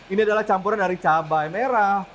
ini adalah campuran dari cabai merah